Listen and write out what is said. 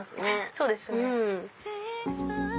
そうですよね。